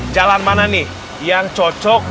jalan mana nih yang cocok